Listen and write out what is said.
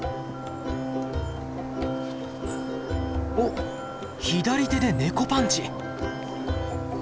おっ左手でネコパンチ。